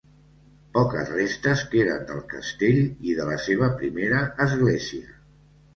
Poques restes queden del castell i de la seva primera església.